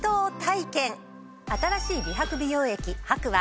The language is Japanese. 新しい美白美容液ＨＡＫＵは。